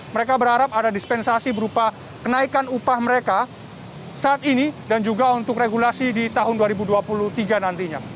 mereka berharap ada dispensasi berupa kenaikan upah mereka saat ini dan juga untuk regulasi di tahun dua ribu dua puluh tiga nantinya